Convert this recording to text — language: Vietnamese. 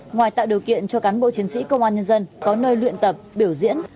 ngoài tạo điều kiện cho cán bộ chiến sĩ công an nhân dân có nơi luyện tập biểu diễn